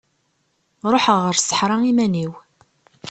Ruḥeɣ ɣer ṣṣeḥra iman-iw.